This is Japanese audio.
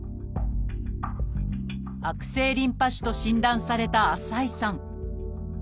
「悪性リンパ腫」と診断された浅井さん。